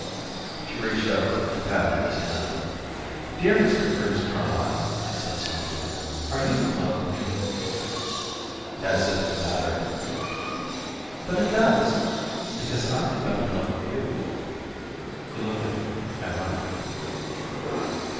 She reached over and patted his hand. "Dear Mr. Curtis Carlyle," she said softly, "are you in love with me?" "As if it mattered." "But it does because I think I'm in love with you." He looked at her ironically.